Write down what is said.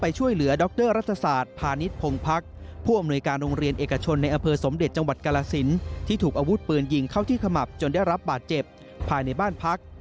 ช่วยเหลือดรรัฐศาสตร์พาณิชพงพักผู้อำนวยการโรงเรียนเอกชนในอำเภอสมเด็จจังหวัดกาลสินที่ถูกอาวุธปืนยิงเข้าที่ขมับจนได้รับบาดเจ็บภายในบ้านพัก